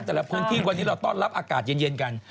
แต่ละพื้นที่วันนี้เราต้อนรับอากาศเย็นกัน